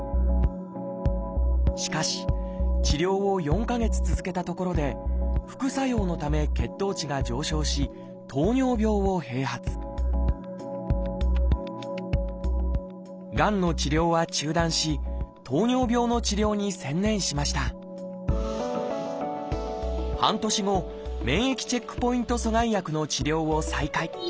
しかし治療を４か月続けたところで副作用のため血糖値が上昇し糖尿病を併発がんの治療は中断し糖尿病の治療に専念しました半年後免疫チェックポイント阻害薬の治療を再開。